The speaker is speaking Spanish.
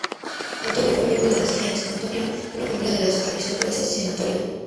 Antonio fue miembro de la "gens" Antonia, de una familia de la aristocracia senatorial.